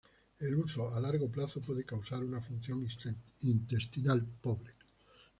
El uso a largo plazo puede causar una función intestinal pobre.